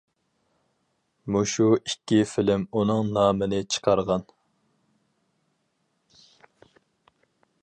مۇشۇ ئىككى فىلىم ئۇنىڭ نامىنى چىقارغان.